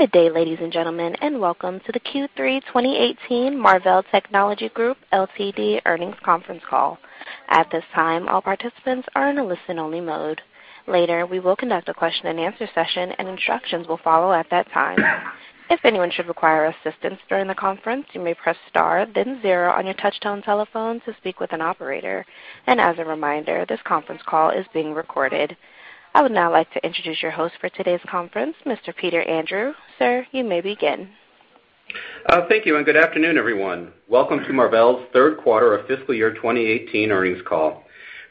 Good day, ladies and gentlemen, and welcome to the Q3 2018 Marvell Technology Group Ltd. earnings conference call. At this time, all participants are in a listen-only mode. Later, we will conduct a question and answer session, and instructions will follow at that time. If anyone should require assistance during the conference, you may press star then zero on your touchtone telephone to speak with an operator. As a reminder, this conference call is being recorded. I would now like to introduce your host for today's conference, Mr. Peter Andrew. Sir, you may begin. Thank you, and good afternoon, everyone. Welcome to Marvell's third quarter of fiscal year 2018 earnings call.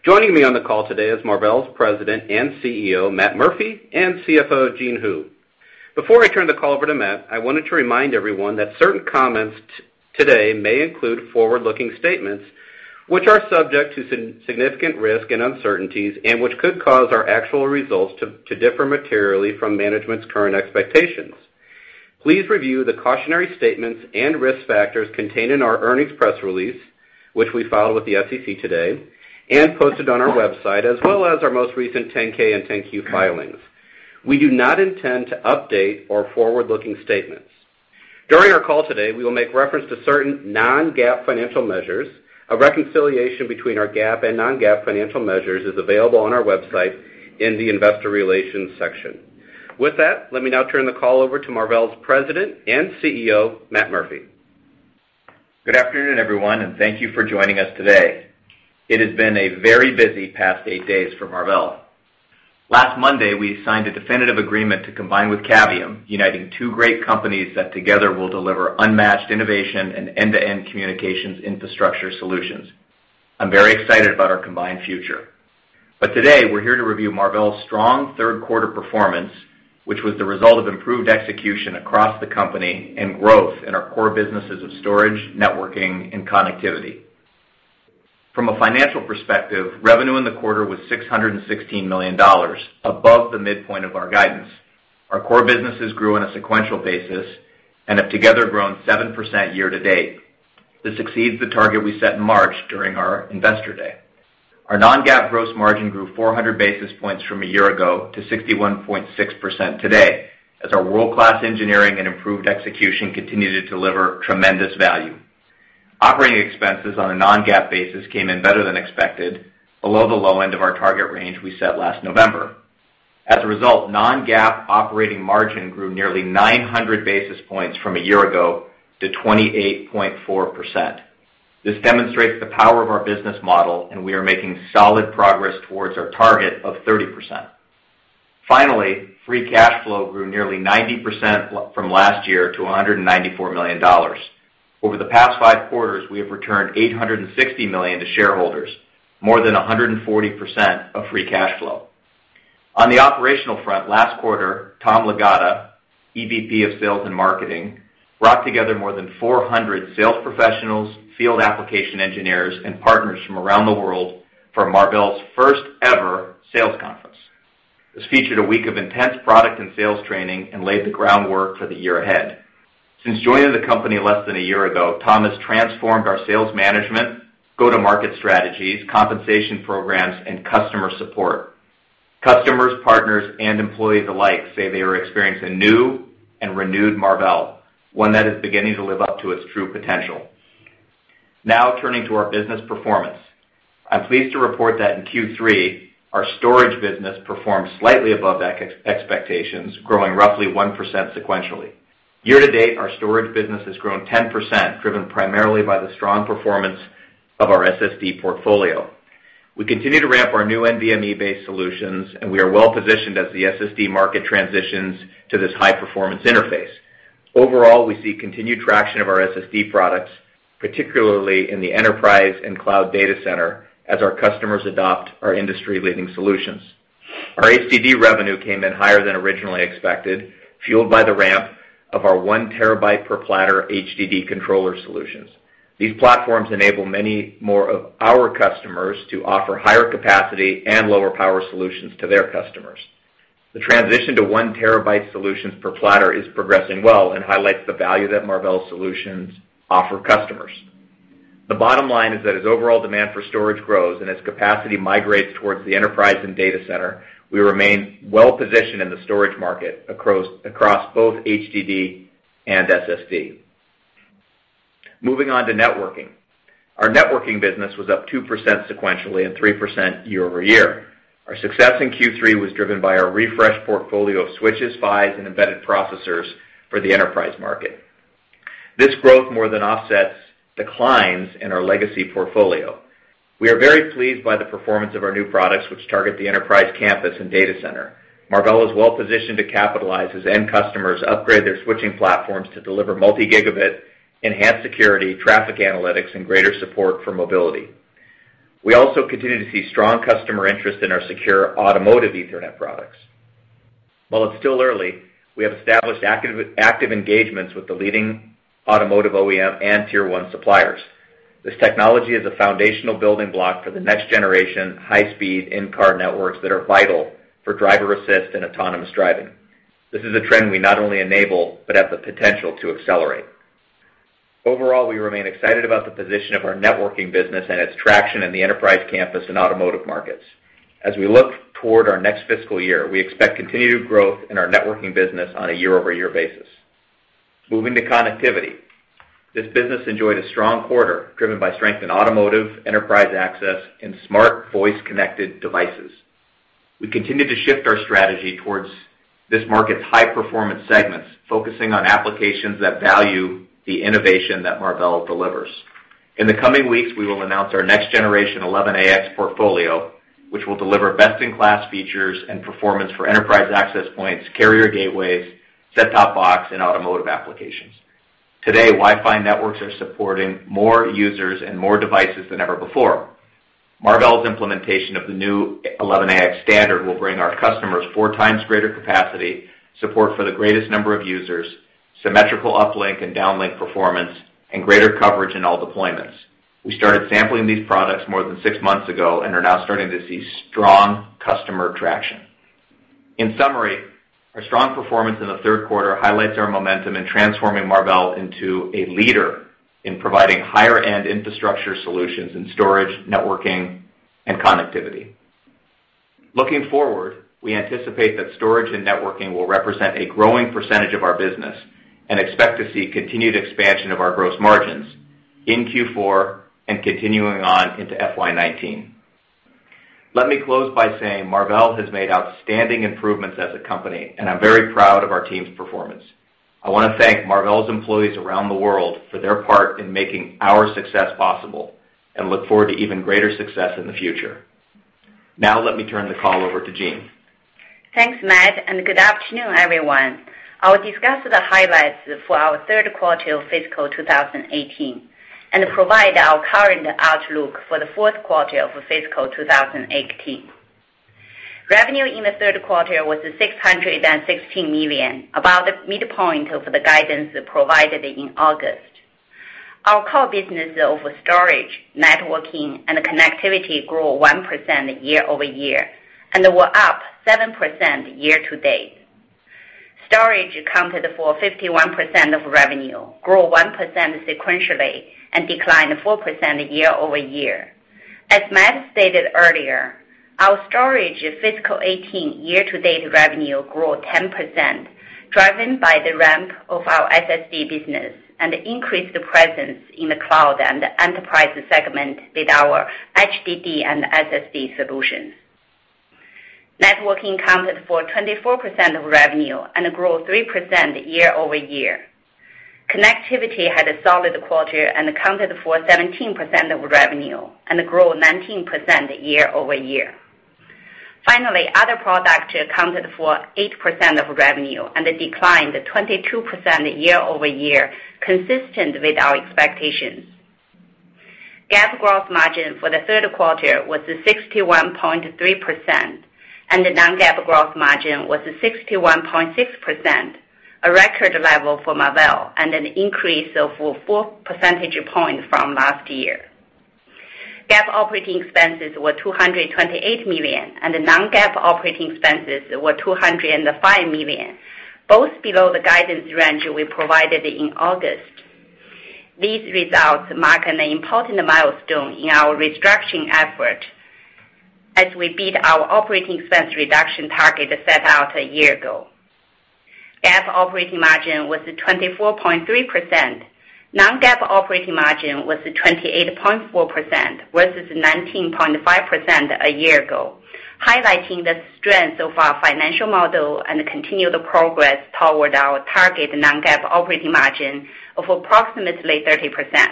Joining me on the call today is Marvell's President and CEO, Matt Murphy, and CFO, Jean Hu. Before I turn the call over to Matt, I wanted to remind everyone that certain comments today may include forward-looking statements which are subject to significant risks and uncertainties, and which could cause our actual results to differ materially from management's current expectations. Please review the cautionary statements and risk factors contained in our earnings press release, which we filed with the SEC today and posted on our website, as well as our most recent 10-K and 10-Q filings. We do not intend to update our forward-looking statements. During our call today, we will make reference to certain non-GAAP financial measures. A reconciliation between our GAAP and non-GAAP financial measures is available on our website in the investor relations section. With that, let me now turn the call over to Marvell's President and CEO, Matt Murphy. Good afternoon, everyone, and thank you for joining us today. It has been a very busy past eight days for Marvell. Last Monday, we signed a definitive agreement to combine with Cavium, uniting two great companies that together will deliver unmatched innovation and end-to-end communications infrastructure solutions. Today we're here to review Marvell's strong third quarter performance, which was the result of improved execution across the company and growth in our core businesses of storage, networking, and connectivity. From a financial perspective, revenue in the quarter was $616 million, above the midpoint of our guidance. Our core businesses grew on a sequential basis and have together grown 7% year to date. This exceeds the target we set in March during our investor day. Our non-GAAP gross margin grew 400 basis points from a year ago to 61.6% today, as our world-class engineering and improved execution continued to deliver tremendous value. Operating expenses on a non-GAAP basis came in better than expected, below the low end of our target range we set last November. Result, non-GAAP operating margin grew nearly 900 basis points from a year ago to 28.4%. This demonstrates the power of our business model, and we are making solid progress towards our target of 30%. Finally, free cash flow grew nearly 90% from last year to $194 million. Over the past five quarters, we have returned $860 million to shareholders, more than 140% of free cash flow. On the operational front last quarter, Tom Lagatta, EVP of sales and marketing, brought together more than 400 sales professionals, field application engineers, and partners from around the world for Marvell's first ever sales conference. This featured a week of intense product and sales training and laid the groundwork for the year ahead. Since joining the company less than a year ago, Tom has transformed our sales management, go-to-market strategies, compensation programs, and customer support. Customers, partners, and employees alike say they are experiencing a new and renewed Marvell, one that is beginning to live up to its true potential. Now turning to our business performance. I'm pleased to report that in Q3, our storage business performed slightly above expectations, growing roughly 1% sequentially. Year to date, our storage business has grown 10%, driven primarily by the strong performance of our SSD portfolio. We continue to ramp our new NVMe-based solutions, and we are well positioned as the SSD market transitions to this high-performance interface. Overall, we see continued traction of our SSD products, particularly in the enterprise and cloud data center, as our customers adopt our industry-leading solutions. Our HDD revenue came in higher than originally expected, fueled by the ramp of our one terabyte per platter HDD controller solutions. These platforms enable many more of our customers to offer higher capacity and lower power solutions to their customers. The transition to one terabyte solutions per platter is progressing well and highlights the value that Marvell solutions offer customers. The bottom line is that as overall demand for storage grows and as capacity migrates towards the enterprise and data center, we remain well positioned in the storage market across both HDD and SSD. Moving on to networking. Our networking business was up 2% sequentially and 3% year-over-year. Our success in Q3 was driven by our refreshed portfolio of switches, PHYs, and embedded processors for the enterprise market. This growth more than offsets declines in our legacy portfolio. We are very pleased by the performance of our new products, which target the enterprise campus and data center. Marvell is well positioned to capitalize as end customers upgrade their switching platforms to deliver multi-gigabit, enhanced security, traffic analytics, and greater support for mobility. We also continue to see strong customer interest in our secure automotive Ethernet products. While it's still early, we have established active engagements with the leading automotive OEM and tier 1 suppliers. This technology is a foundational building block for the next generation high-speed in-car networks that are vital for driver assist and autonomous driving. This is a trend we not only enable but have the potential to accelerate. Overall, we remain excited about the position of our networking business and its traction in the enterprise campus and automotive markets. As we look toward our next fiscal year, we expect continued growth in our networking business on a year-over-year basis. Moving to connectivity. This business enjoyed a strong quarter, driven by strength in automotive, enterprise access, and smart voice-connected devices. We continue to shift our strategy towards this market's high-performance segments, focusing on applications that value the innovation that Marvell delivers. In the coming weeks, we will announce our next generation 11ax portfolio, which will deliver best-in-class features and performance for enterprise access points, carrier gateways, set-top box, and automotive applications. Today, Wi-Fi networks are supporting more users and more devices than ever before. Marvell's implementation of the new 11ax standard will bring our customers four times greater capacity, support for the greatest number of users, symmetrical uplink and downlink performance, and greater coverage in all deployments. We started sampling these products more than six months ago and are now starting to see strong customer traction. In summary, our strong performance in the third quarter highlights our momentum in transforming Marvell into a leader in providing higher-end infrastructure solutions in storage, networking, and connectivity. Looking forward, we anticipate that storage and networking will represent a growing percentage of our business and expect to see continued expansion of our gross margins in Q4 and continuing on into FY 2019. Let me close by saying Marvell has made outstanding improvements as a company, and I'm very proud of our team's performance. I want to thank Marvell's employees around the world for their part in making our success possible and look forward to even greater success in the future. Now let me turn the call over to Jean. Thanks, Matt, and good afternoon, everyone. I'll discuss the highlights for our third quarter of fiscal 2018 and provide our current outlook for the fourth quarter of fiscal 2018. Revenue in the third quarter was $616 million, about the midpoint of the guidance provided in August. Our core business of storage, networking, and connectivity grew 1% year-over-year and were up 7% year-to-date. Storage accounted for 51% of revenue, grew 1% sequentially, and declined 4% year-over-year. As Matt stated earlier, our storage fiscal 2018 year-to-date revenue grew 10%, driven by the ramp of our SSD business and increased presence in the cloud and enterprise segment with our HDD and SSD solutions. Networking accounted for 24% of revenue and grew 3% year-over-year. Connectivity had a solid quarter and accounted for 17% of revenue and grew 19% year-over-year. Finally, other products accounted for 8% of revenue and declined 22% year-over-year, consistent with our expectations. GAAP gross margin for the third quarter was 61.3%, and the non-GAAP gross margin was 61.6%, a record level for Marvell, and an increase of four percentage points from last year. GAAP operating expenses were $228 million, and non-GAAP operating expenses were $205 million, both below the guidance range we provided in August. These results mark an important milestone in our restructuring effort as we beat our operating expense reduction target set out a year ago. GAAP operating margin was 24.3%. Non-GAAP operating margin was 28.4%, versus 19.5% a year ago, highlighting the strength of our financial model and continued progress toward our target non-GAAP operating margin of approximately 30%.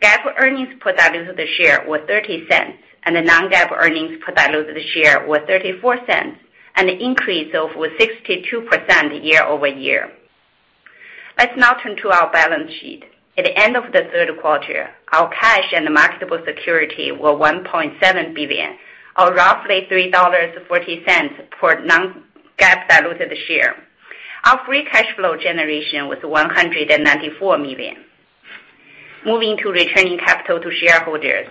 GAAP earnings per diluted share was $0.30, and the non-GAAP earnings per diluted share was $0.34, an increase of 62% year-over-year. Let's now turn to our balance sheet. At the end of the third quarter, our cash and marketable security were $1.7 billion, or roughly $3.40 per non-GAAP diluted share. Our free cash flow generation was $194 million. Moving to returning capital to shareholders.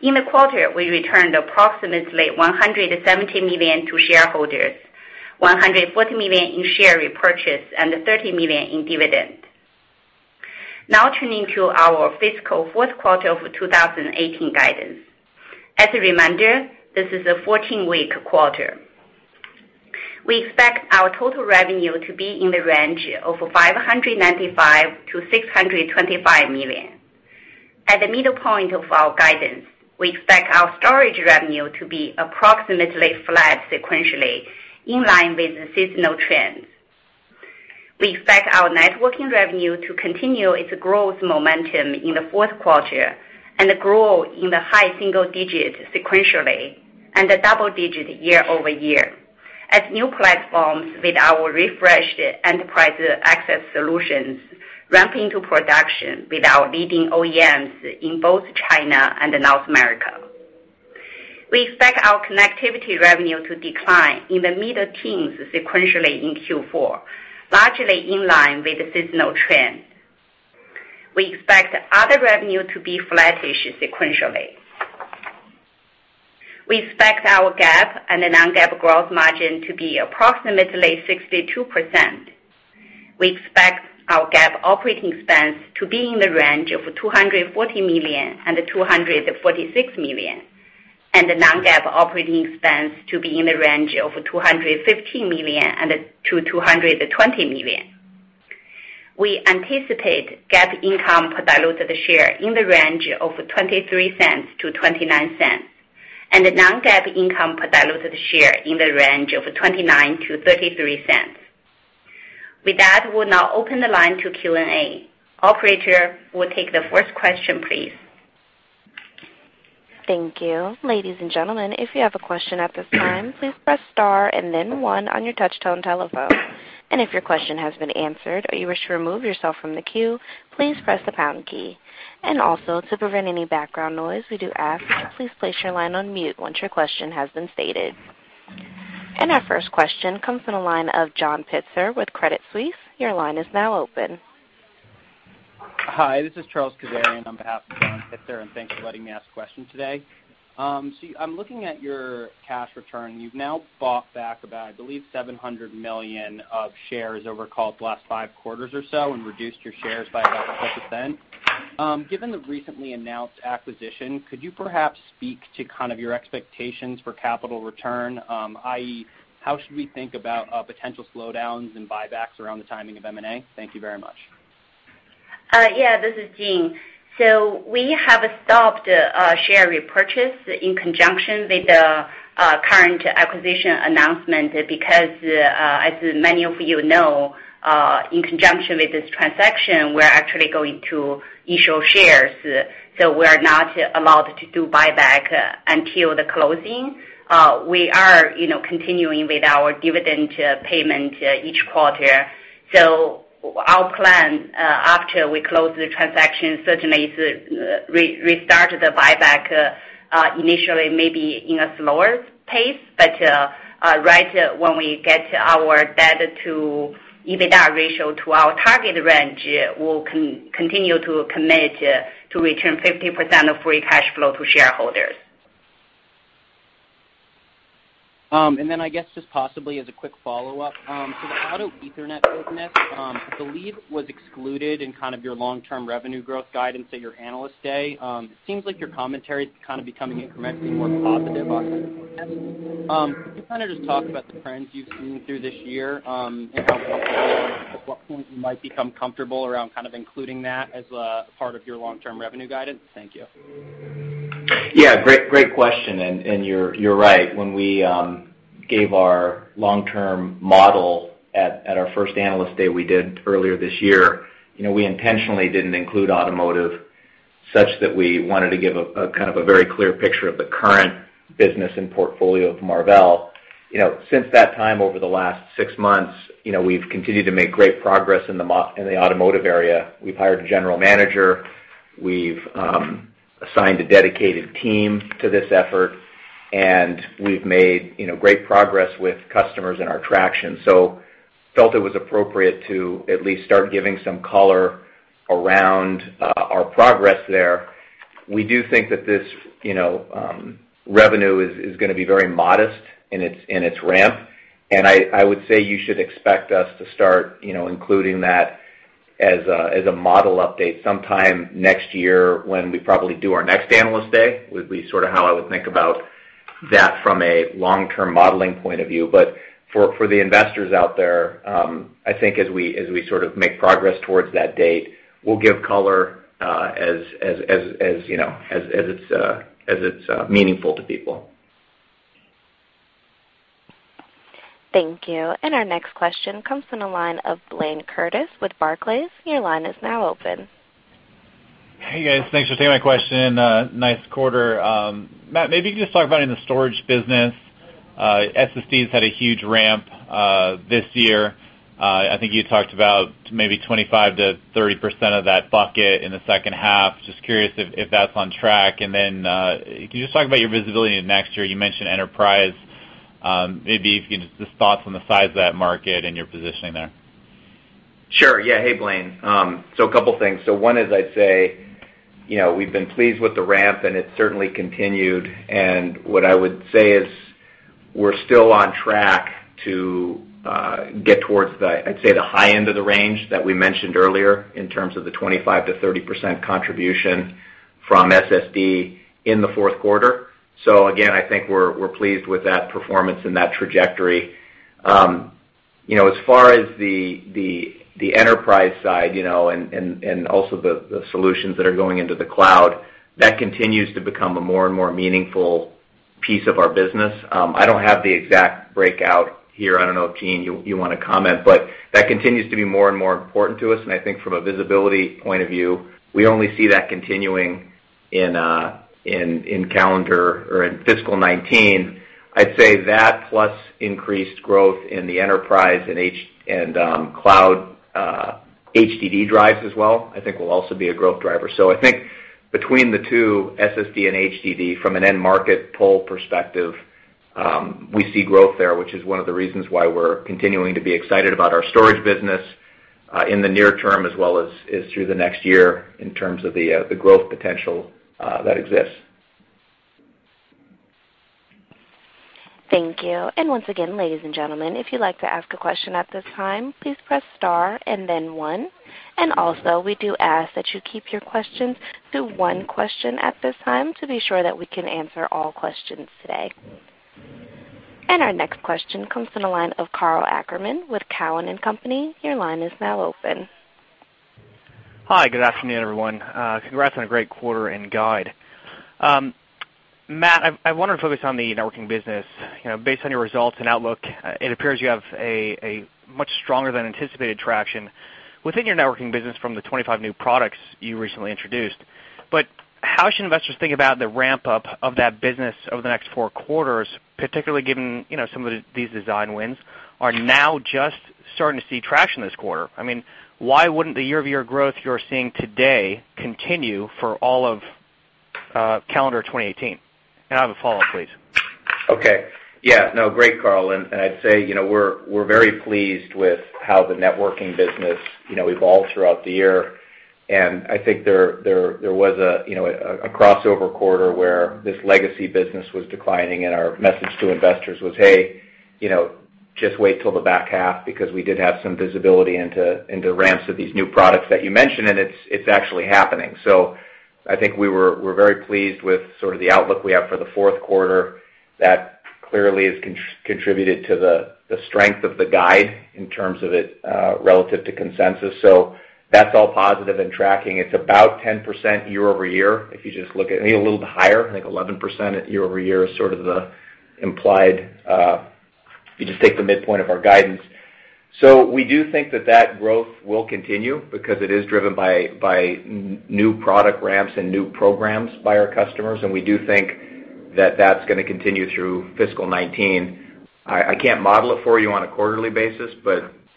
In the quarter, we returned approximately $170 million to shareholders, $140 million in share repurchase, and $30 million in dividend. Now turning to our fiscal fourth quarter of 2018 guidance. As a reminder, this is a 14-week quarter. We expect our total revenue to be in the range of $595 million-$625 million. At the midpoint of our guidance, we expect our storage revenue to be approximately flat sequentially, in line with seasonal trends. We expect our networking revenue to continue its growth momentum in the fourth quarter and grow in the high single digits sequentially and the double digits year-over-year as new platforms with our refreshed enterprise access solutions ramp into production with our leading OEMs in both China and North America. We expect our connectivity revenue to decline in the mid-teens sequentially in Q4, largely in line with the seasonal trend. We expect other revenue to be flattish sequentially. We expect our GAAP and the non-GAAP gross margin to be approximately 62%. We expect our GAAP operating expense to be in the range of $240 million-$246 million, and the non-GAAP operating expense to be in the range of $215 million-$220 million. We anticipate GAAP income per diluted share in the range of $0.23-$0.29, and the non-GAAP income per diluted share in the range of $0.29-$0.33. With that, we'll now open the line to Q&A. Operator, we'll take the first question, please. Thank you. Ladies and gentlemen, if you have a question at this time, please press star and then one on your touch-tone telephone. If your question has been answered or you wish to remove yourself from the queue, please press the pound key. To prevent any background noise, we do ask that please place your line on mute once your question has been stated. Our first question comes from the line of John Pitzer with Credit Suisse. Your line is now open. Hi, this is Charles Kazarian on behalf of John Pitzer, thanks for letting me ask a question today. I'm looking at your cash return. You've now bought back about, I believe, $700 million of shares over, call it, the last five quarters or so and reduced your shares by about 6%. Given the recently announced acquisition, could you perhaps speak to kind of your expectations for capital return, i.e., how should we think about potential slowdowns in buybacks around the timing of M&A? Thank you very much. Yeah, this is Jean. We have stopped share repurchase in conjunction with the current acquisition announcement because, as many of you know, in conjunction with this transaction, we're actually going to issue shares. We're not allowed to do buyback until the closing. We are continuing with our dividend payment each quarter. Our plan, after we close the transaction, certainly is restart the buyback initially maybe in a slower pace. Right when we get our debt-to-EBITDA ratio to our target range, we'll continue to commit to return 50% of free cash flow to shareholders. I guess just possibly as a quick follow-up. The Auto Ethernet business, I believe, was excluded in kind of your long-term revenue growth guidance at your Analyst Day. It seems like your commentary is kind of becoming incrementally more positive on kind of progress. Can you kind of just talk about the trends you've seen through this year and how comfortable, at what point you might become comfortable around kind of including that as a part of your long-term revenue guidance? Thank you. Yeah, great question, and you're right. When we gave our long-term model at our first Analyst Day we did earlier this year, we intentionally didn't include automotive such that we wanted to give a kind of a very clear picture of the current business and portfolio of Marvell Technology. Since that time, over the last six months, we've continued to make great progress in the automotive area. We've hired a general manager, we've assigned a dedicated team to this effort, and we've made great progress with customers and our traction. Felt it was appropriate to at least start giving some color around our progress there. We do think that this revenue is going to be very modest in its ramp, and I would say you should expect us to start including that as a model update sometime next year when we probably do our next Analyst Day, would be sort of how I would think about that from a long-term modeling point of view. For the investors out there, I think as we sort of make progress towards that date, we'll give color as it's meaningful to people. Thank you. Our next question comes from the line of Blayne Curtis with Barclays. Your line is now open. Hey, guys. Thanks for taking my question. Nice quarter. Matt, maybe you can just talk about in the storage business, SSDs had a huge ramp this year. I think you talked about maybe 25%-30% of that bucket in the second half. Just curious if that's on track. Can you just talk about your visibility into next year? You mentioned enterprise. Maybe if you can just thoughts on the size of that market and your positioning there. Sure. Yeah. Hey, Blayne. A couple of things. One is I'd say, we've been pleased with the ramp and it certainly continued, and what I would say is we're still on track to get towards the, I'd say the high end of the range that we mentioned earlier in terms of the 25%-30% contribution from SSD in the fourth quarter. Again, I think we're pleased with that performance and that trajectory. As far as the enterprise side and also the solutions that are going into the cloud, that continues to become a more and more meaningful piece of our business. I don't have the exact breakout here. I don't know if, Jean, you want to comment, but that continues to be more and more important to us, and I think from a visibility point of view, we only see that continuing in calendar or in fiscal 2019. I'd say that plus increased growth in the enterprise and cloud HDD drives as well, I think will also be a growth driver. I think between the two, SSD and HDD, from an end market pull perspective, we see growth there, which is one of the reasons why we're continuing to be excited about our storage business In the near term, as well as through the next year in terms of the growth potential that exists. Thank you. Once again, ladies and gentlemen, if you'd like to ask a question at this time, please press star and then one. Also, we do ask that you keep your questions to one question at this time to be sure that we can answer all questions today. Our next question comes from the line of Karl Ackerman with Cowen and Company. Your line is now open. Hi, good afternoon, everyone. Congrats on a great quarter and guide. Matt, I wanted to focus on the networking business. Based on your results and outlook, it appears you have a much stronger than anticipated traction within your networking business from the 25 new products you recently introduced. How should investors think about the ramp-up of that business over the next four quarters, particularly given some of these design wins are now just starting to see traction this quarter? I mean, why wouldn't the year-over-year growth you're seeing today continue for all of calendar 2018? I have a follow-up, please. Okay. Yeah. No, great, Karl. I'd say, we're very pleased with how the networking business evolved throughout the year. I think there was a crossover quarter where this legacy business was declining, and our message to investors was, "Hey, just wait till the back half," because we did have some visibility into ramps of these new products that you mentioned, and it's actually happening. I think we're very pleased with sort of the outlook we have for the fourth quarter. That clearly has contributed to the strength of the guide in terms of it relative to consensus. That's all positive in tracking. It's about 10% year-over-year. If you just look at maybe a little bit higher, I think 11% year-over-year is sort of the implied, if you just take the midpoint of our guidance. We do think that that growth will continue because it is driven by new product ramps and new programs by our customers, and we do think that that's going to continue through fiscal 2019. I can't model it for you on a quarterly basis,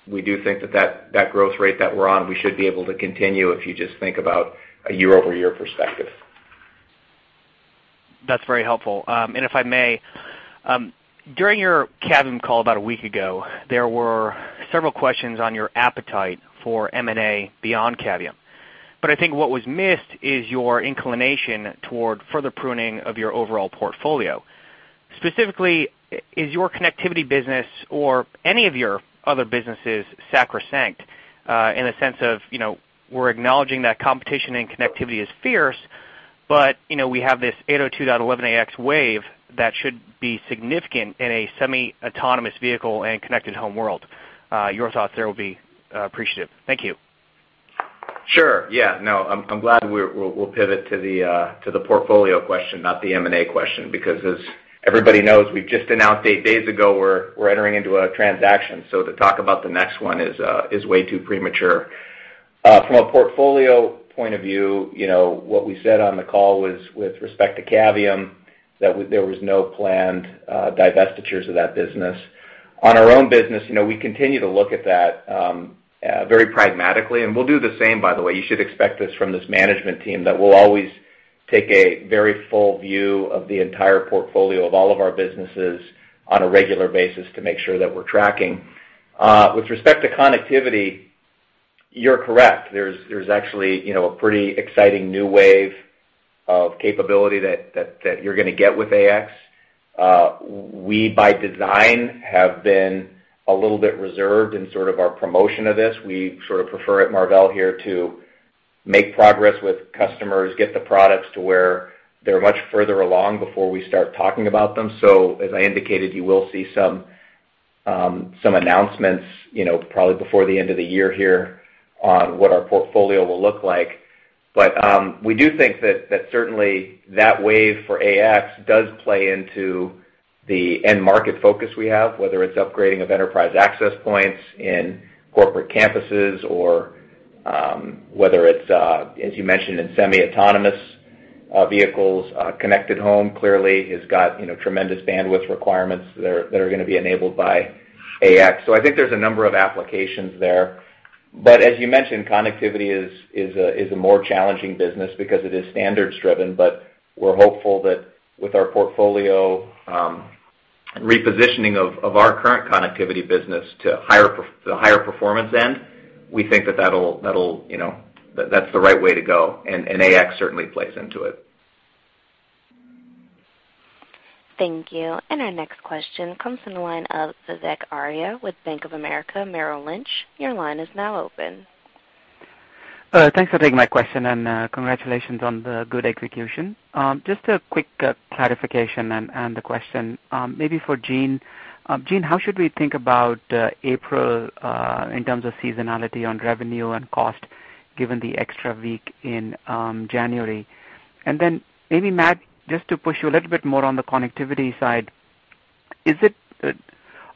we do think that that growth rate that we're on, we should be able to continue if you just think about a year-over-year perspective. That's very helpful. If I may, during your Cavium call about a week ago, there were several questions on your appetite for M&A beyond Cavium. I think what was missed is your inclination toward further pruning of your overall portfolio. Specifically, is your connectivity business or any of your other businesses sacrosanct in a sense of, we're acknowledging that competition and connectivity is fierce, we have this 802.11ax wave that should be significant in a semi-autonomous vehicle and connected home world. Your thoughts there will be appreciated. Thank you. Sure. Yeah. No, I'm glad we'll pivot to the portfolio question, not the M&A question, because as everybody knows, we've just announced eight days ago we're entering into a transaction. To talk about the next one is way too premature. From a portfolio point of view, what we said on the call was with respect to Cavium, that there was no planned divestitures of that business. On our own business, we continue to look at that very pragmatically, and we'll do the same, by the way. You should expect this from this management team, that we'll always take a very full view of the entire portfolio of all of our businesses on a regular basis to make sure that we're tracking. With respect to connectivity, you're correct. There's actually a pretty exciting new wave of capability that you're going to get with AX. We, by design, have been a little bit reserved in sort of our promotion of this. We sort of prefer at Marvell to make progress with customers, get the products to where they're much further along before we start talking about them. As I indicated, you will see some announcements probably before the end of the year here on what our portfolio will look like. We do think that certainly that wave for AX does play into the end market focus we have, whether it's upgrading of enterprise access points in corporate campuses or whether it's, as you mentioned, in semi-autonomous vehicles. Connected home clearly has got tremendous bandwidth requirements that are going to be enabled by AX. I think there's a number of applications there. As you mentioned, connectivity is a more challenging business because it is standards-driven. We're hopeful that with our portfolio repositioning of our current connectivity business to the higher performance end, we think that's the right way to go, and AX certainly plays into it. Thank you. Our next question comes from the line of Vivek Arya with Bank of America Merrill Lynch. Your line is now open. Thanks for taking my question, and congratulations on the good execution. Just a quick clarification and the question, maybe for Jean. Jean, how should we think about April in terms of seasonality on revenue and cost, given the extra week in January? Then maybe, Matt, just to push you a little bit more on the connectivity side,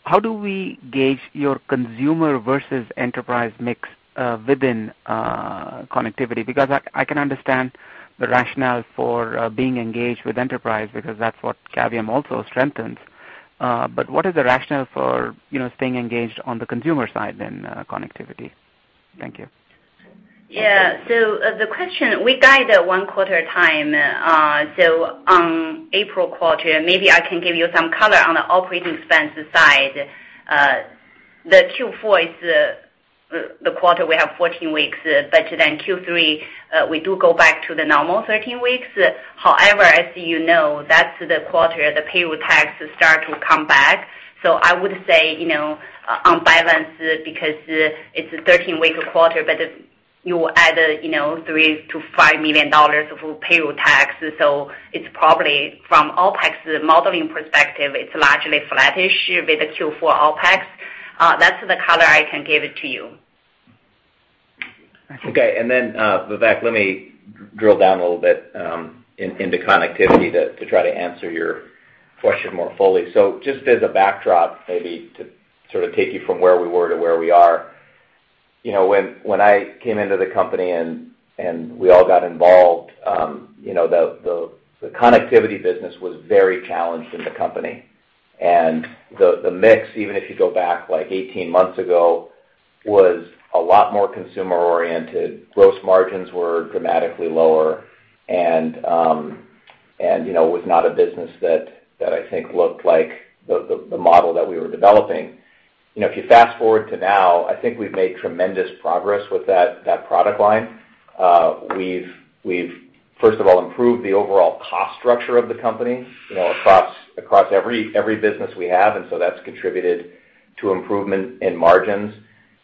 how do we gauge your consumer versus enterprise mix within connectivity? Because I can understand the rationale for being engaged with enterprise, because that's what Cavium also strengthens. What is the rationale for staying engaged on the consumer side, then, connectivity? Thank you. The question, we guide one quarter at a time. On April quarter, maybe I can give you some color on the operating expense side. Q4 is the quarter we have 14 weeks, but Q3, we do go back to the normal 13 weeks. However, as you know, that's the quarter the payroll taxes start to come back. I would say, on balance, because it's a 13-week quarter, but you add $3 million to $5 million of payroll tax. It's probably from OpEx modeling perspective, it's largely flattish with the Q4 OpEx. That's the color I can give it to you. Okay, Vivek, let me drill down a little bit into connectivity to try to answer your question more fully. Just as a backdrop, maybe to sort of take you from where we were to where we are. When I came into the company and we all got involved, the connectivity business was very challenged in the company. The mix, even if you go back like 18 months ago, was a lot more consumer-oriented. Gross margins were dramatically lower and was not a business that I think looked like the model that we were developing. If you fast-forward to now, I think we've made tremendous progress with that product line. We've first of all improved the overall cost structure of the company, across every business we have, that's contributed to improvement in margins.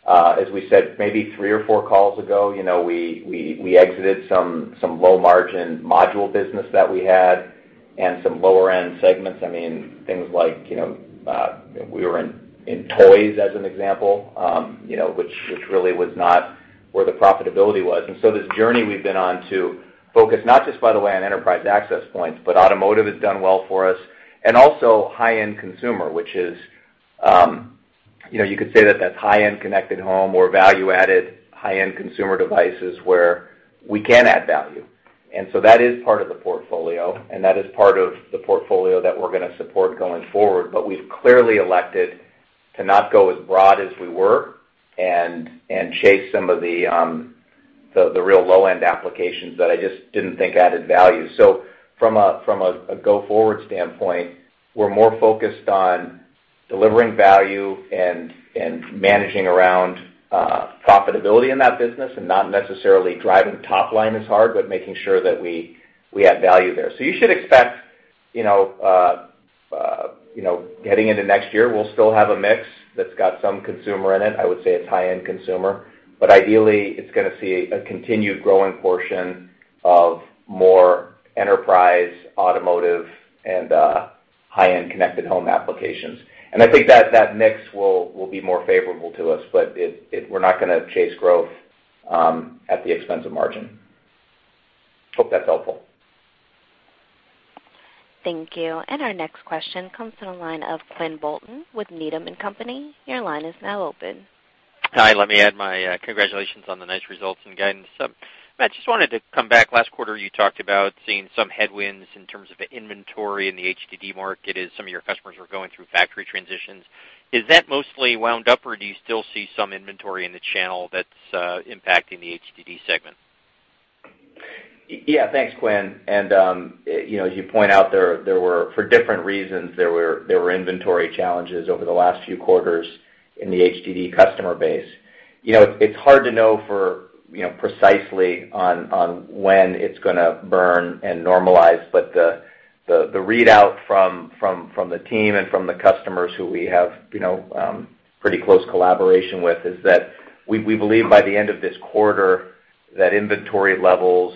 As we said, maybe three or four calls ago, we exited some low-margin module business that we had and some lower-end segments. I mean, things like, we were in toys as an example, which really was not where the profitability was. This journey we've been on to focus not just, by the way, on enterprise access points, but automotive has done well for us and also high-end consumer, which is, you could say that that's high-end connected home or value-added high-end consumer devices where we can add value. That is part of the portfolio, and that is part of the portfolio that we're going to support going forward. We've clearly elected to not go as broad as we were and chase some of the real low-end applications that I just didn't think added value. From a go-forward standpoint, we're more focused on delivering value and managing around profitability in that business and not necessarily driving top line as hard, but making sure that we add value there. You should expect, heading into next year, we'll still have a mix that's got some consumer in it. I would say it's high-end consumer, but ideally, it's going to see a continued growing portion of more enterprise, automotive, and high-end connected home applications. I think that mix will be more favorable to us, but we're not going to chase growth at the expense of margin. Hope that's helpful. Thank you. Our next question comes from the line of Quinn Bolton with Needham & Company. Your line is now open. Hi, let me add my congratulations on the nice results and guidance. Matt, just wanted to come back. Last quarter, you talked about seeing some headwinds in terms of the inventory in the HDD market as some of your customers were going through factory transitions. Is that mostly wound up, or do you still see some inventory in the channel that's impacting the HDD segment? Yeah. Thanks, Quinn. As you point out, for different reasons, there were inventory challenges over the last few quarters in the HDD customer base. It's hard to know precisely on when it's going to burn and normalize, but the readout from the team and from the customers who we have pretty close collaboration with is that we believe by the end of this quarter that inventory levels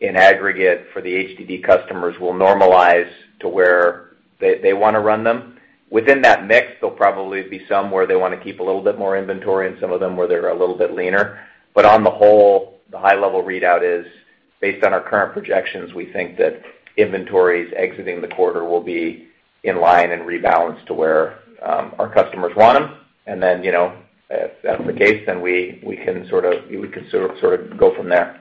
in aggregate for the HDD customers will normalize to where they want to run them. Within that mix, there'll probably be some where they want to keep a little bit more inventory and some of them where they're a little bit leaner. On the whole, the high-level readout is based on our current projections, we think that inventories exiting the quarter will be in line and rebalanced to where our customers want them. If that's the case, then we can sort of go from there.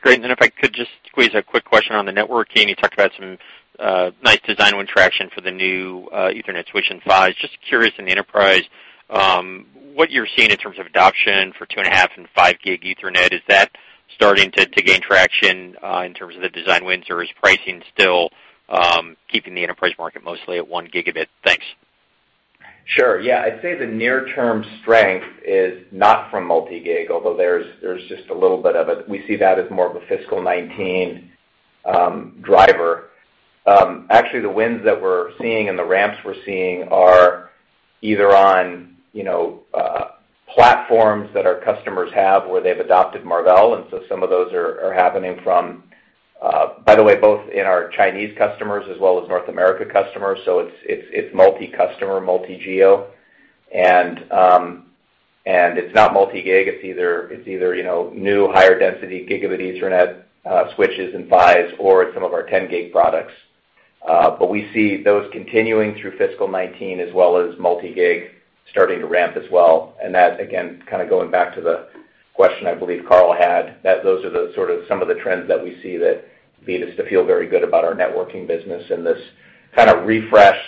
Great. Then if I could just squeeze a quick question on the networking. You talked about some nice design win traction for the new Ethernet switch in PHY. Just curious, in the enterprise, what you're seeing in terms of adoption for 2.5 and 5 gig Ethernet, is that starting to gain traction in terms of the design wins, or is pricing still keeping the enterprise market mostly at 1 gigabit? Thanks. Sure, yeah. I'd say the near-term strength is not from multi-gig, although there's just a little bit of it. We see that as more of a fiscal 2019 driver. Actually, the wins that we're seeing and the ramps we're seeing are either on platforms that our customers have where they've adopted Marvell, so some of those are happening from, by the way, both in our Chinese customers as well as North America customers, so it's multi-customer, multi-geo. It's not multi-gig. It's either new higher density gigabit Ethernet switches and PHYs or some of our 10-gig products. We see those continuing through fiscal 2019 as well as multi-gig starting to ramp as well. That, again, kind of going back to the question I believe Karl had, those are the sort of some of the trends that we see that lead us to feel very good about our networking business and this kind of refreshed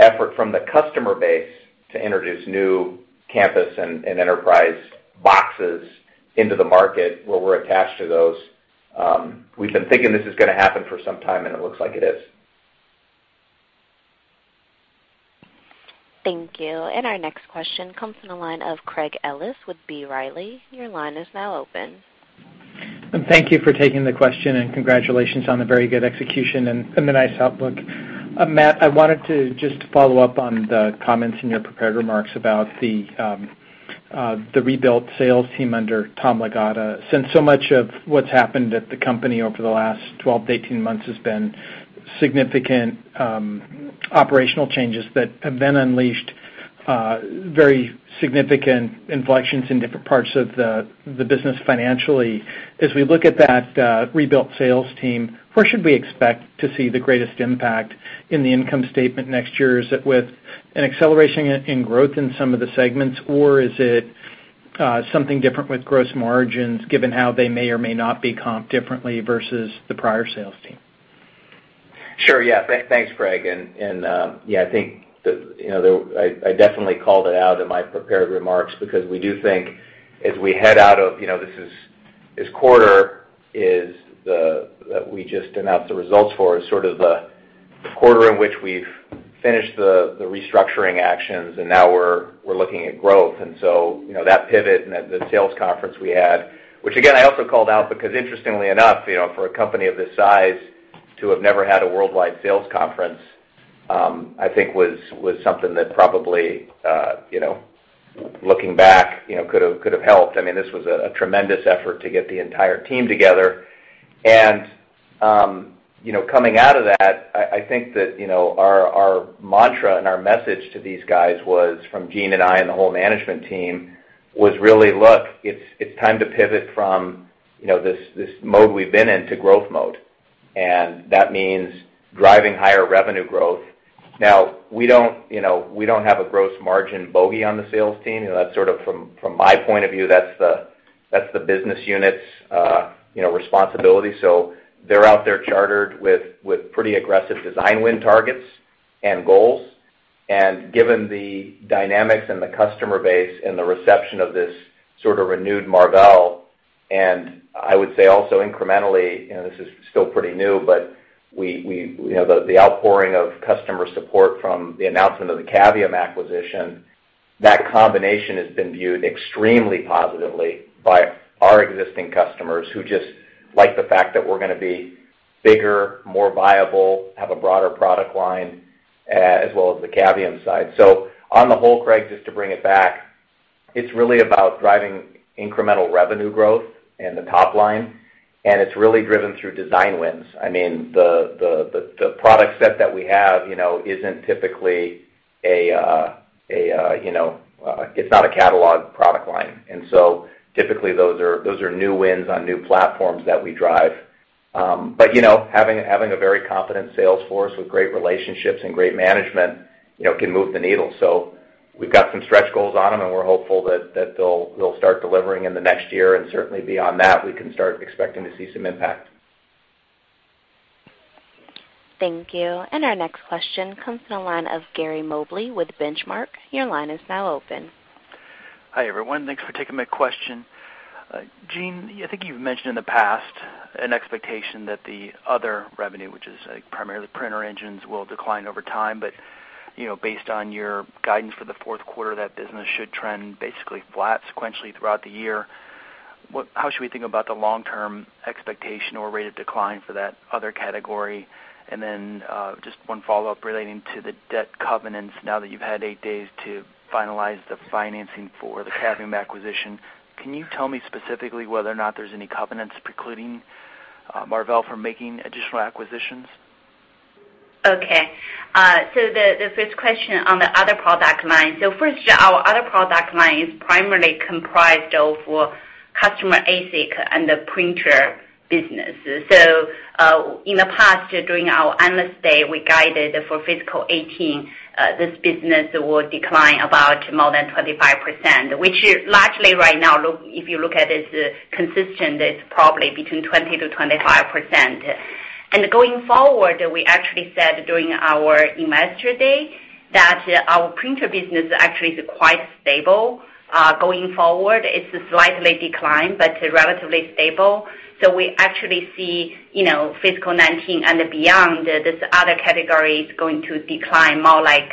effort from the customer base to introduce new campus and enterprise boxes into the market where we're attached to those. We've been thinking this is going to happen for some time, and it looks like it is. Thank you. Our next question comes from the line of Craig Ellis with B. Riley, your line is now open. Thank you for taking the question, congratulations on the very good execution and the nice outlook. Matt, I wanted to just follow up on the comments in your prepared remarks about the rebuilt sales team under Tom Lagatta. Since so much of what's happened at the company over the last 12 to 18 months has been significant operational changes that have then unleashed very significant inflections in different parts of the business financially. As we look at that rebuilt sales team, where should we expect to see the greatest impact in the income statement next year? Is it with an acceleration in growth in some of the segments, or is it something different with gross margins, given how they may or may not be comped differently versus the prior sales team? Sure, yeah. Thanks, Craig. Yeah, I think I definitely called it out in my prepared remarks because we do think as we head out of this quarter that we just announced the results for, is sort of the quarter in which we've finished the restructuring actions, now we're looking at growth. So that pivot and the sales conference we had, which again, I also called out because interestingly enough for a company of this size to have never had a worldwide sales conference, I think was something that probably looking back could have helped. This was a tremendous effort to get the entire team together. Coming out of that, I think that our mantra and our message to these guys was from Jean and I and the whole management team was really, look, it's time to pivot from this mode we've been in to growth mode. That means driving higher revenue growth. Now, we don't have a gross margin bogey on the sales team. From my point of view, that's the business unit's responsibility. They're out there chartered with pretty aggressive design win targets and goals. Given the dynamics and the customer base and the reception of this sort of renewed Marvell, I would say also incrementally, this is still pretty new, but the outpouring of customer support from the announcement of the Cavium acquisition, that combination has been viewed extremely positively by our existing customers who just like the fact that we're going to be bigger, more viable, have a broader product line as well as the Cavium side. On the whole, Craig, just to bring it back, it's really about driving incremental revenue growth in the top line, and it's really driven through design wins. The product set that we have, it's not a catalog product line. Typically, those are new wins on new platforms that we drive. Having a very competent sales force with great relationships and great management can move the needle. We've got some stretch goals on them, we're hopeful that they'll start delivering in the next year and certainly beyond that, we can start expecting to see some impact. Thank you. Our next question comes from the line of Gary Mobley with Benchmark. Your line is now open. Hi, everyone. Thanks for taking my question. Jean, I think you've mentioned in the past an expectation that the other revenue, which is primarily printer engines, will decline over time. Based on your guidance for the fourth quarter, that business should trend basically flat sequentially throughout the year. How should we think about the long-term expectation or rate of decline for that other category? Then just one follow-up relating to the debt covenants. Now that you've had eight days to finalize the financing for the Cavium acquisition, can you tell me specifically whether or not there's any covenants precluding Marvell from making additional acquisitions? Okay. The first question on the other product line. First, our other product line is primarily comprised of customer ASIC and the printer business. In the past, during our Analyst Day, we guided for fiscal 2018, this business will decline about more than 25%, which largely right now, if you look at it, is consistent. It's probably between 20%-25%. Going forward, we actually said during our Investor Day that our printer business actually is quite stable going forward. It's slightly declined but relatively stable. We actually see fiscal 2019 and beyond, this other category is going to decline more like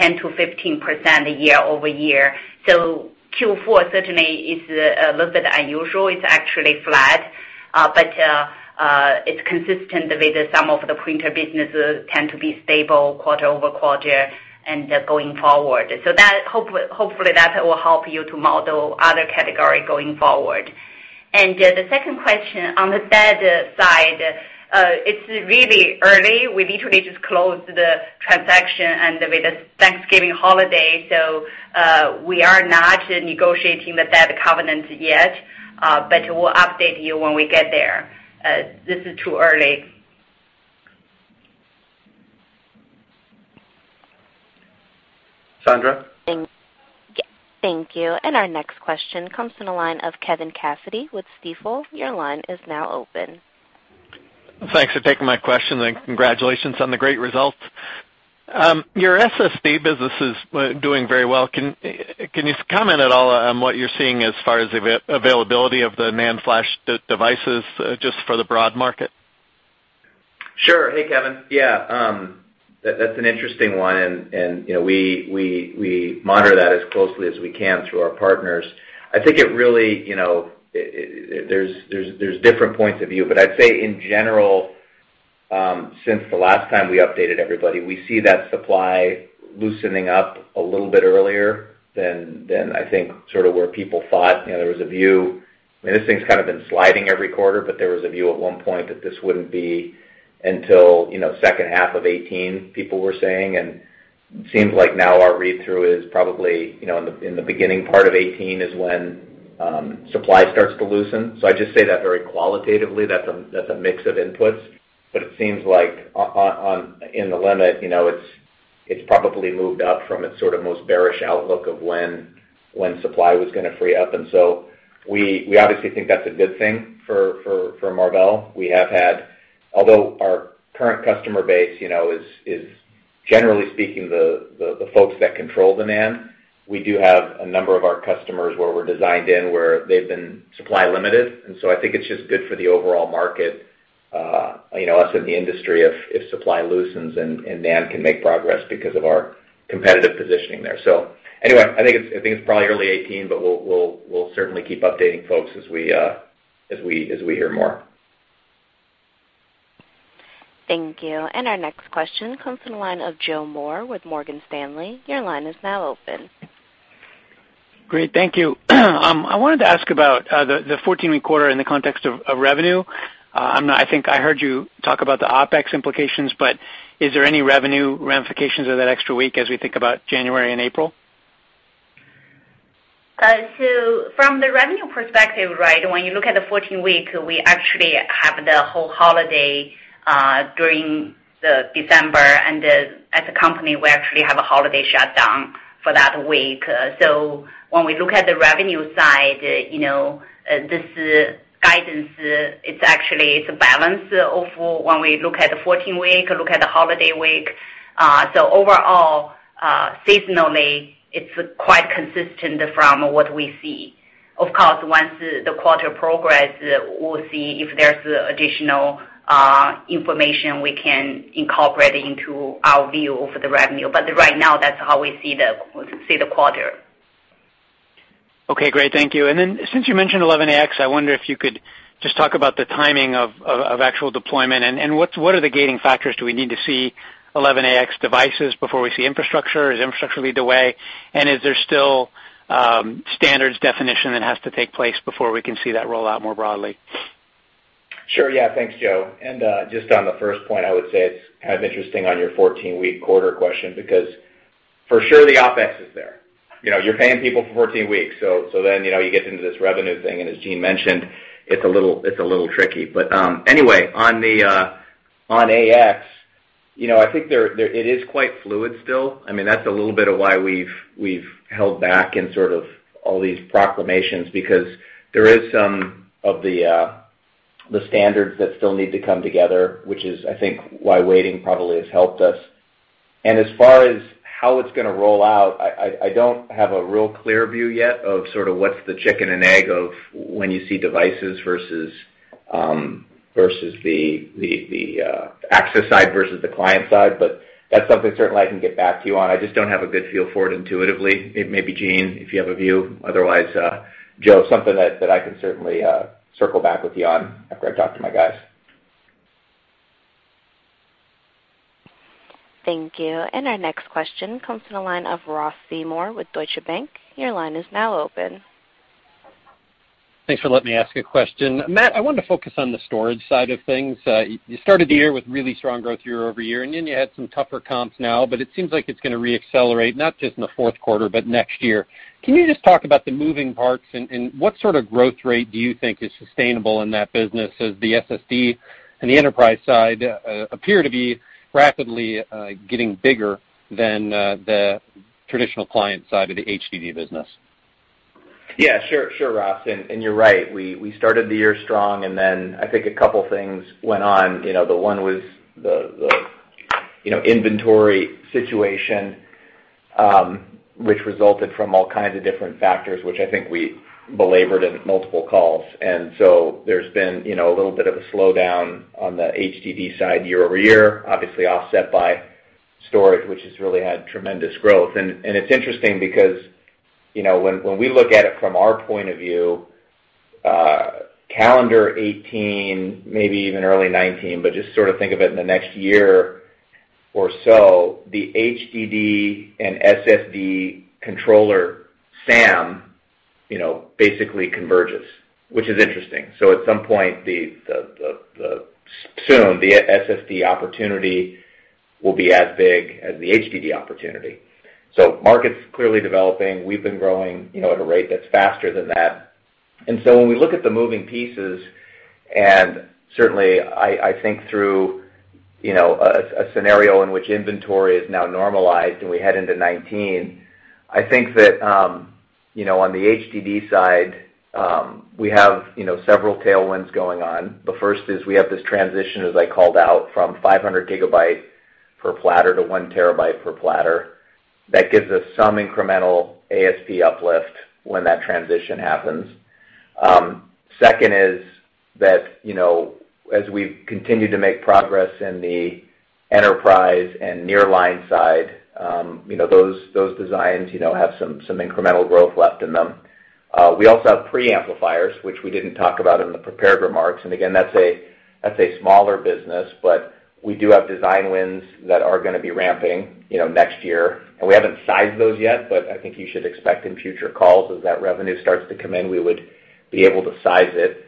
10%-15% year-over-year. Q4 certainly is a little bit unusual. It's actually flat, but it's consistent with some of the printer businesses tend to be stable quarter-over-quarter and going forward. Hopefully that will help you to model other category going forward. The second question on the debt side, it's really early. We literally just closed the transaction and with the Thanksgiving holiday, we are not negotiating the debt covenant yet, but we'll update you when we get there. This is too early. Sandra? Thank you. Our next question comes from the line of Kevin Cassidy with Stifel. Your line is now open. Thanks for taking my question, and congratulations on the great results. Your SSD business is doing very well. Can you comment at all on what you're seeing as far as availability of the NAND flash devices, just for the broad market? Sure. Hey, Kevin. Yeah. That's an interesting one, and we monitor that as closely as we can through our partners. I think there's different points of view, but I'd say in general, since the last time we updated everybody, we see that supply loosening up a little bit earlier than I think sort of where people thought. This thing's kind of been sliding every quarter, but there was a view at one point that this wouldn't be until second half of 2018, people were saying. It seems like now our read-through is probably in the beginning part of 2018 is when supply starts to loosen. I just say that very qualitatively, that's a mix of inputs, but it seems like in the limit, it's probably moved up from its sort of most bearish outlook of when supply was going to free up. We obviously think that's a good thing for Marvell. Although our current customer base is generally speaking the folks that control demand, we do have a number of our customers where we're designed in, where they've been supply limited. I think it's just good for the overall market, us in the industry, if supply loosens and demand can make progress because of our competitive positioning there. Anyway, I think it's probably early 2018, but we'll certainly keep updating folks as we hear more. Thank you. Our next question comes from the line of Joseph Moore with Morgan Stanley. Your line is now open. Great. Thank you. I wanted to ask about the 14-week quarter in the context of revenue. I think I heard you talk about the OpEx implications, but is there any revenue ramifications of that extra week as we think about January and April? From the revenue perspective, when you look at the 14-week, we actually have the whole holiday during December, as a company, we actually have a holiday shutdown for that week. When we look at the revenue side, this guidance, it's actually a balance when we look at the 14-week, look at the holiday week. Overall, seasonally, it's quite consistent from what we see. Of course, once the quarter progresses, we'll see if there's additional information we can incorporate into our view of the revenue. Right now, that's how we see the quarter. Okay, great. Thank you. Then since you mentioned 11ax, I wonder if you could just talk about the timing of actual deployment and what are the gating factors. Do we need to see 11ax devices before we see infrastructure? Is infrastructure lead the way? Is there still standards definition that has to take place before we can see that roll out more broadly? Sure. Yeah. Thanks, Joe. Just on the first point, I would say it's kind of interesting on your 14-week quarter question, because for sure the OpEx is there. You're paying people for 14 weeks, you get into this revenue thing, and as Jean mentioned, it's a little tricky. Anyway, on AX, I think it is quite fluid still. That's a little bit of why we've held back in sort of all these proclamations because there is some of the standards that still need to come together, which is, I think, why waiting probably has helped us. As far as how it's going to roll out, I don't have a real clear view yet of sort of what's the chicken and egg of when you see devices versus the access side versus the client side. That's something certainly I can get back to you on. I just don't have a good feel for it intuitively. Maybe Jean, if you have a view. Otherwise, Joe, something that I can certainly circle back with you on after I talk to my guys. Thank you. Our next question comes from the line of Ross Seymore with Deutsche Bank. Your line is now open. Thanks for letting me ask a question. Matt, I wanted to focus on the storage side of things. You started the year with really strong growth year-over-year, you had some tougher comps now, it seems like it's going to re-accelerate, not just in the fourth quarter, but next year. Can you just talk about the moving parts and what sort of growth rate do you think is sustainable in that business as the SSD and the enterprise side appear to be rapidly getting bigger than the traditional client side of the HDD business? Yeah, sure, Ross. You're right, we started the year strong and then I think a couple things went on. The one was the inventory situation, which resulted from all kinds of different factors, which I think we belabored in multiple calls. There's been a little bit of a slowdown on the HDD side year-over-year, obviously offset by storage, which has really had tremendous growth. It's interesting because when we look at it from our point of view, calendar 2018, maybe even early 2019, but just sort of think of it in the next year or so, the HDD and SSD controller SAM basically converges, which is interesting. At some point, soon, the SSD opportunity will be as big as the HDD opportunity. Market's clearly developing. We've been growing at a rate that's faster than that. When we look at the moving pieces, certainly, I think through a scenario in which inventory is now normalized and we head into 2019, I think that on the HDD side, we have several tailwinds going on. The first is we have this transition, as I called out, from 500 gigabytes per platter to one terabyte per platter. That gives us some incremental ASP uplift when that transition happens. Second is that as we continue to make progress in the enterprise and nearline side, those designs have some incremental growth left in them. We also have preamplifiers, which we didn't talk about in the prepared remarks. Again, that's a smaller business, but we do have design wins that are going to be ramping next year. We haven't sized those yet, but I think you should expect in future calls as that revenue starts to come in, we would be able to size it.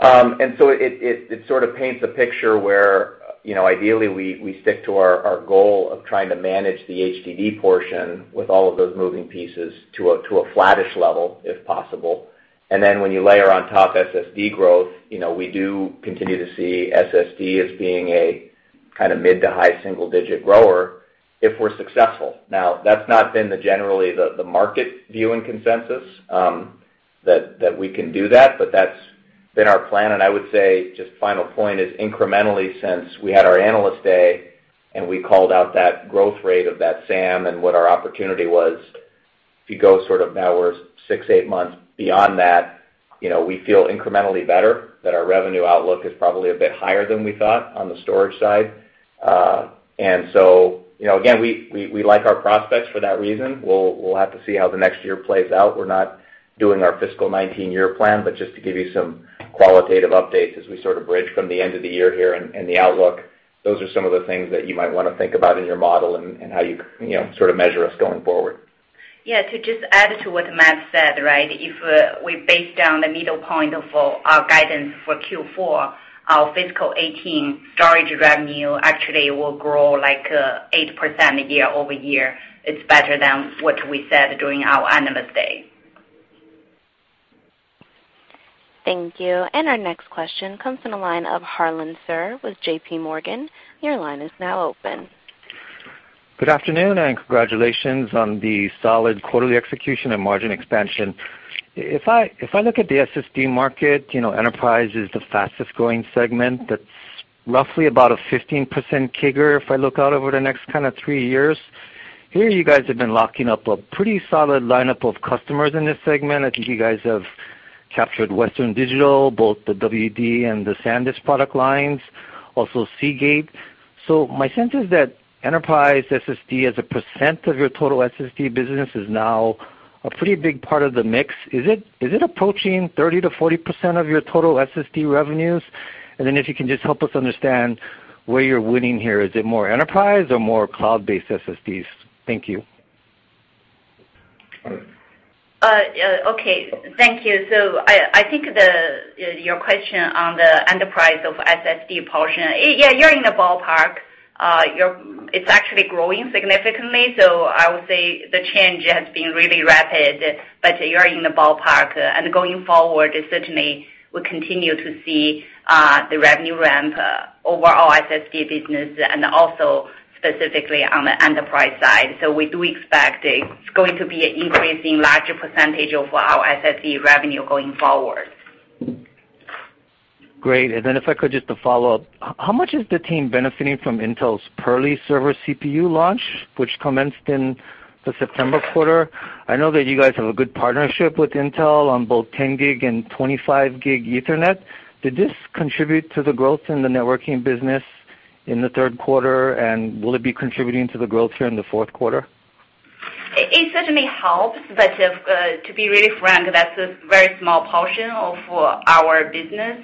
It sort of paints a picture where ideally we stick to our goal of trying to manage the HDD portion with all of those moving pieces to a flattish level, if possible. When you layer on top SSD growth, we do continue to see SSD as being a kind of mid to high single-digit grower if we're successful. Now, that's not been generally the market view and consensus that we can do that, but that's been our plan. I would say, just final point is incrementally since we had our Analyst Day and we called out that growth rate of that SAM and what our opportunity was, if you go sort of now we're six, eight months beyond that, we feel incrementally better that our revenue outlook is probably a bit higher than we thought on the storage side. Again, we like our prospects for that reason. We'll have to see how the next year plays out. We're not doing our fiscal 2019 year plan, but just to give you some qualitative updates as we sort of bridge from the end of the year here and the outlook, those are some of the things that you might want to think about in your model and how you sort of measure us going forward. Yeah, to just add to what Matt said, right? If we base down the middle point of our guidance for Q4, our fiscal 2018 storage revenue actually will grow like 8% year-over-year. It's better than what we said during our Analyst Day. Thank you. Our next question comes from the line of Harlan Sur with J.P. Morgan. Your line is now open. Good afternoon, congratulations on the solid quarterly execution and margin expansion. If I look at the SSD market, enterprise is the fastest-growing segment that's roughly about a 15% figure if I look out over the next kind of three years. Here, you guys have been locking up a pretty solid lineup of customers in this segment. I think you guys have captured Western Digital, both the WD and the SanDisk product lines, also Seagate. My sense is that enterprise SSD, as a % of your total SSD business, is now a pretty big part of the mix. Is it approaching 30%-40% of your total SSD revenues? Then if you can just help us understand where you're winning here. Is it more enterprise or more cloud-based SSDs? Thank you. Okay, thank you. I think your question on the enterprise of SSD portion, yeah, you're in the ballpark. It's actually growing significantly, so I would say the change has been really rapid, but you are in the ballpark. Going forward, certainly we continue to see the revenue ramp overall SSD business and also specifically on the enterprise side. We do expect it's going to be an increasing larger % of our SSD revenue going forward. Great. Then if I could just to follow up, how much is the team benefiting from Intel's Purley server CPU launch, which commenced in the September quarter? I know that you guys have a good partnership with Intel on both 10 gig and 25 gig Ethernet. Did this contribute to the growth in the networking business in the third quarter, and will it be contributing to the growth here in the fourth quarter? It certainly helps, to be really frank, that's a very small portion of our business.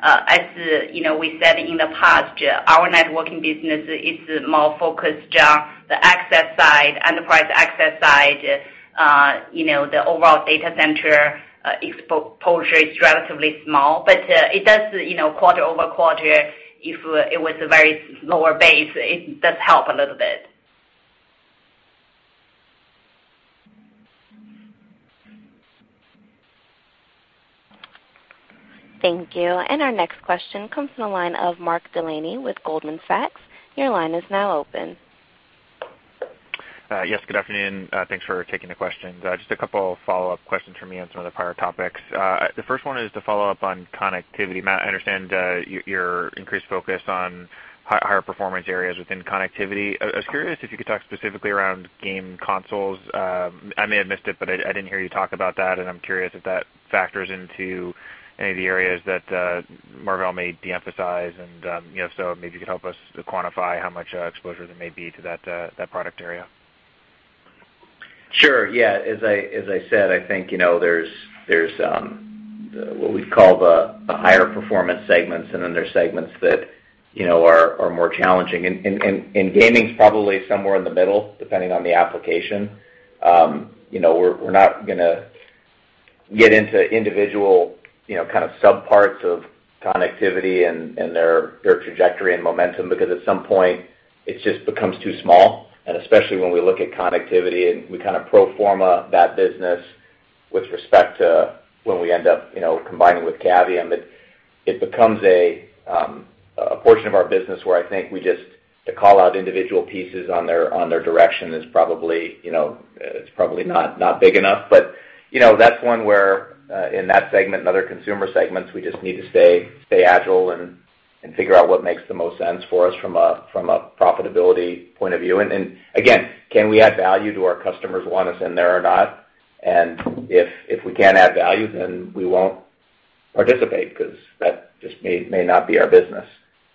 As we said in the past, our networking business is more focused on the access side, enterprise access side. The overall data center exposure is relatively small, but it does, quarter-over-quarter, if it was a very lower base, it does help a little bit. Thank you. Our next question comes from the line of Mark Delaney with Goldman Sachs. Your line is now open. Yes, good afternoon. Thanks for taking the questions. Just a couple follow-up questions from me on some of the prior topics. The first one is to follow up on connectivity. Matt, I understand your increased focus on higher performance areas within connectivity. I was curious if you could talk specifically around game consoles. I may have missed it, but I didn't hear you talk about that, and I'm curious if that factors into any of the areas that Marvell may de-emphasize. So maybe you could help us quantify how much exposure there may be to that product area. Sure. Yeah. As I said, I think there's what we call the higher performance segments, then there's segments that are more challenging. Gaming's probably somewhere in the middle, depending on the application. We're not gonna get into individual kind of sub-parts of connectivity and their trajectory and momentum, because at some point it just becomes too small, especially when we look at connectivity and we pro forma that business with respect to when we end up combining with Cavium, it becomes a portion of our business where I think to call out individual pieces on their direction is probably not big enough. That's one where, in that segment and other consumer segments, we just need to stay agile and figure out what makes the most sense for us from a profitability point of view. Again, can we add value? Do our customers want us in there or not? If we can't add value, then we won't participate because that just may not be our business.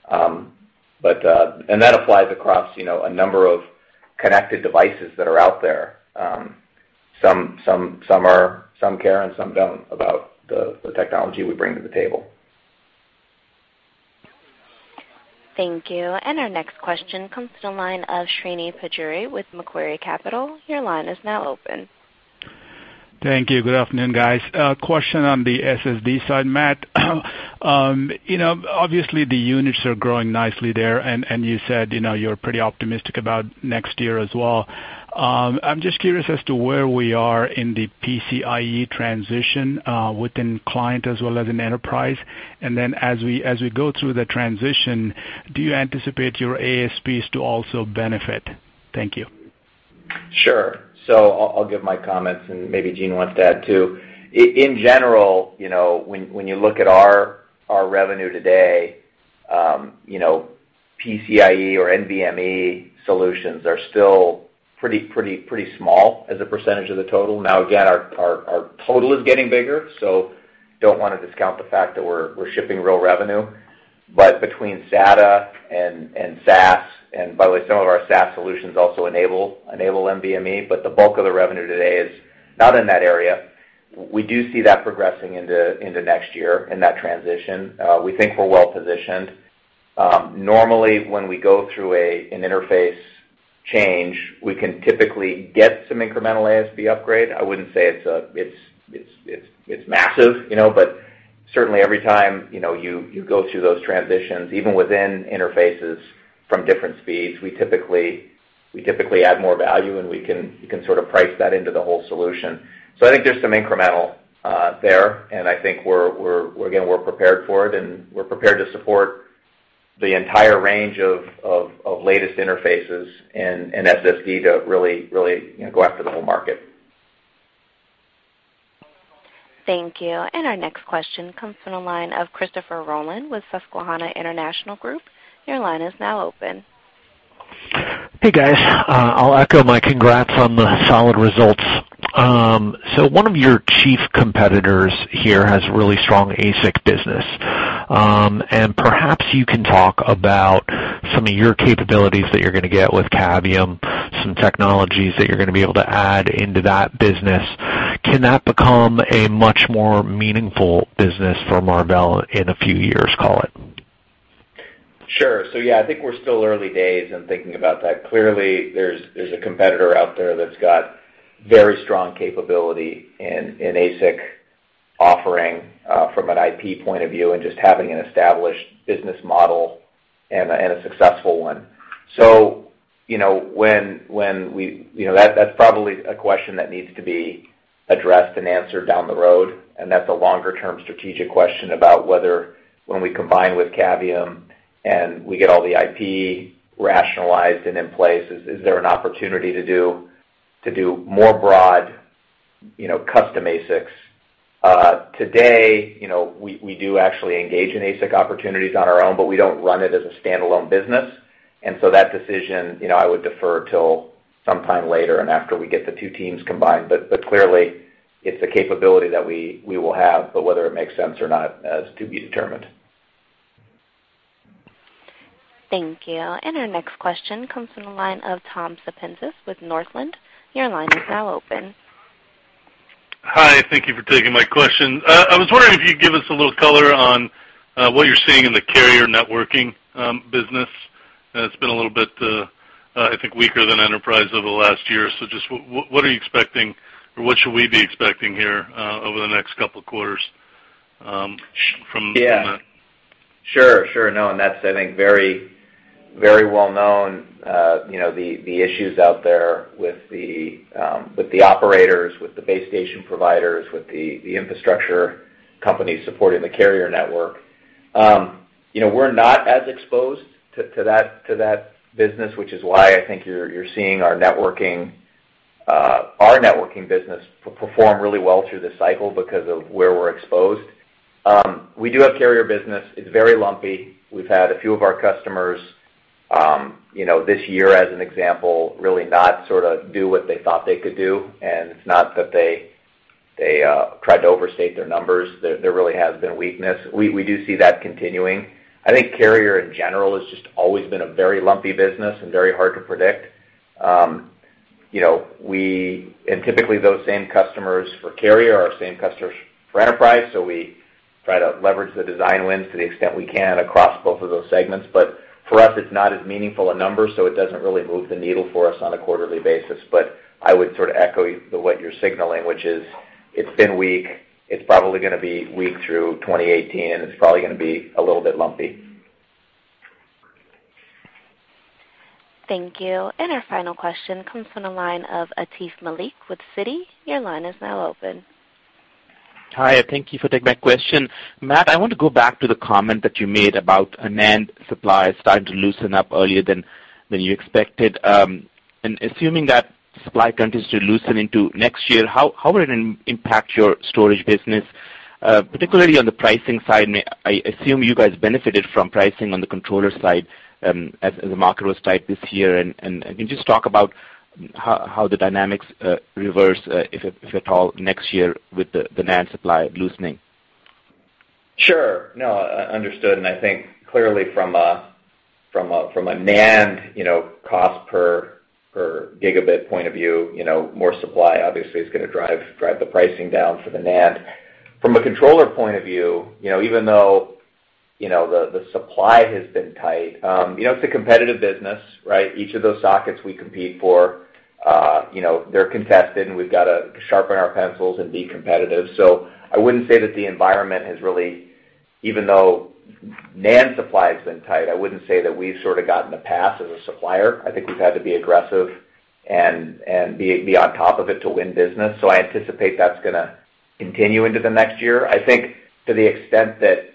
That applies across a number of connected devices that are out there. Some care and some don't about the technology we bring to the table. Thank you. Our next question comes to the line of Srini Pajjuri with Macquarie Capital. Your line is now open. Thank you. Good afternoon, guys. A question on the SSD side, Matt. Obviously, the units are growing nicely there, you said you're pretty optimistic about next year as well. I'm just curious as to where we are in the PCIe transition within client as well as in enterprise. As we go through the transition, do you anticipate your ASPs to also benefit? Thank you. Sure. I'll give my comments and maybe Jean wants to add, too. In general, when you look at our revenue today, PCIe or NVMe solutions are still pretty small as a percentage of the total. Now, again, our total is getting bigger, don't want to discount the fact that we're shipping real revenue. Between SATA and SAS, and by the way, some of our SAS solutions also enable NVMe, the bulk of the revenue today is not in that area. We do see that progressing into next year in that transition. We think we're well-positioned. Normally, when we go through an interface change, we can typically get some incremental ASP upgrade. I wouldn't say it's massive, but certainly every time you go through those transitions, even within interfaces from different speeds, we typically add more value, and we can price that into the whole solution. I think there's some incremental there, and I think we're prepared for it, and we're prepared to support the entire range of latest interfaces and SSD to really go after the whole market. Thank you. Our next question comes from the line of Christopher Rolland with Susquehanna International Group. Your line is now open. Hey, guys. I'll echo my congrats on the solid results. One of your chief competitors here has really strong ASIC business. Perhaps you can talk about some of your capabilities that you're going to get with Cavium, some technologies that you're going to be able to add into that business. Can that become a much more meaningful business for Marvell in a few years, call it? Sure. Yeah, I think we're still early days in thinking about that. Clearly, there's a competitor out there that's got very strong capability in ASIC offering from an IP point of view and just having an established business model and a successful one. That's probably a question that needs to be addressed and answered down the road, and that's a longer-term strategic question about whether when we combine with Cavium and we get all the IP rationalized and in place, is there an opportunity to do more broad, custom ASICs. Today, we do actually engage in ASIC opportunities on our own, but we don't run it as a standalone business. That decision, I would defer till sometime later and after we get the two teams combined. Clearly, it's a capability that we will have. Whether it makes sense or not, is to be determined. Thank you. Our next question comes from the line of Tom Sepenzis with Northland. Your line is now open. Hi, thank you for taking my question. I was wondering if you'd give us a little color on what you're seeing in the carrier networking business. It's been a little bit, I think, weaker than enterprise over the last year. Just what are you expecting, or what should we be expecting here over the next couple of quarters from that? Sure. No, that's, I think very well-known, the issues out there with the operators, with the base station providers, with the infrastructure companies supporting the carrier network. We're not as exposed to that business, which is why I think you're seeing our networking business perform really well through this cycle because of where we're exposed. We do have carrier business. It's very lumpy. We've had a few of our customers this year, as an example, really not do what they thought they could do, and it's not that they tried to overstate their numbers. There really has been weakness. We do see that continuing. I think carrier, in general, has just always been a very lumpy business and very hard to predict. Typically, those same customers for carrier are the same customers for enterprise, so we try to leverage the design wins to the extent we can across both of those segments. For us, it's not as meaningful a number, so it doesn't really move the needle for us on a quarterly basis. I would echo what you're signaling, which is It's been weak. It's probably going to be weak through 2018, and it's probably going to be a little bit lumpy. Thank you. Our final question comes from the line of Atif Malik with Citi. Your line is now open. Hi, thank you for taking my question. Matt, I want to go back to the comment that you made about a NAND supply starting to loosen up earlier than you expected. Assuming that supply continues to loosen into next year, how will it impact your storage business? Particularly on the pricing side, I assume you guys benefited from pricing on the controller side as the market was tight this year. Can you just talk about how the dynamics reverse, if at all, next year with the NAND supply loosening? Sure. No, understood. I think clearly from a NAND cost per gigabit point of view, more supply obviously is going to drive the pricing down for the NAND. From a controller point of view, even though the supply has been tight, it's a competitive business, right? Each of those sockets we compete for, they're contested, and we've got to sharpen our pencils and be competitive. I wouldn't say that the environment has really, even though NAND supply has been tight, I wouldn't say that we've sort of gotten a pass as a supplier. I think we've had to be aggressive and be on top of it to win business. I anticipate that's going to continue into the next year. I think to the extent that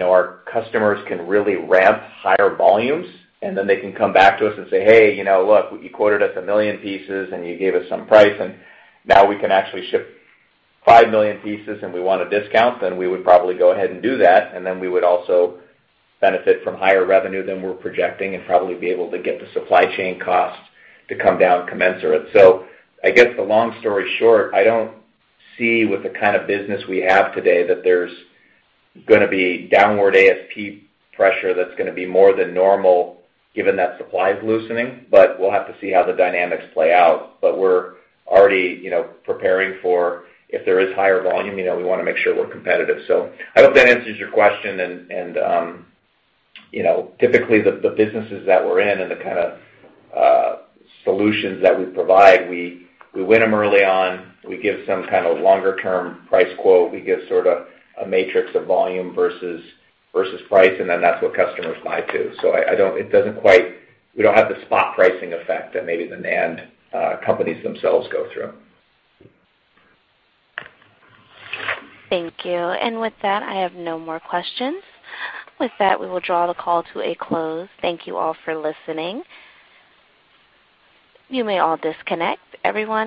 our customers can really ramp higher volumes, then they can come back to us and say, "Hey, look, you quoted us 1 million pieces and you gave us some price, and now we can actually ship 5 million pieces and we want a discount," then we would probably go ahead and do that. We would also benefit from higher revenue than we're projecting and probably be able to get the supply chain costs to come down commensurate. I guess the long story short, I don't see with the kind of business we have today that there's going to be downward ASP pressure that's going to be more than normal given that supply is loosening. We'll have to see how the dynamics play out. We're already preparing for if there is higher volume, we want to make sure we're competitive. I hope that answers your question. Typically, the businesses that we're in and the kind of solutions that we provide, we win them early on. We give some kind of longer-term price quote. We give sort of a matrix of volume versus price, and then that's what customers buy to. We don't have the spot pricing effect that maybe the NAND companies themselves go through. Thank you. With that, I have no more questions. With that, we will draw the call to a close. Thank you all for listening. You may all disconnect.